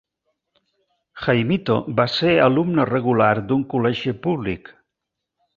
Jaimito va ser alumne regular d'un col·legi públic.